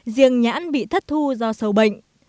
riêng nhãn bị thất thu do sầu bệnh